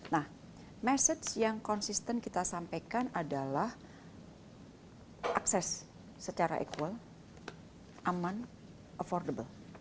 nah message yang konsisten kita sampaikan adalah akses secara equal aman affordable